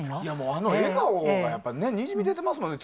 あの笑顔からにじみ出てますよね。